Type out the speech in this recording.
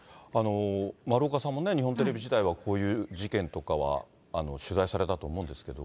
丸岡さんもね、日本テレビ時代はこういう事件とかは取材されたと思うんですけど。